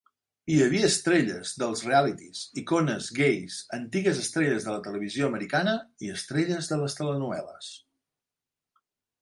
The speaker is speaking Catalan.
Hi havia estrelles dels realities, icones gais, antigues estrelles de la televisió americana i estrelles de les telenovel·les.